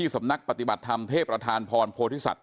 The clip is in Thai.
กับนักปฏิบัติธรรมเทพธานพรโพธิสัตว์